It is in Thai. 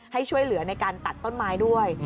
ให้ช่วยเหลือในการตัดต้นไม้ด้วย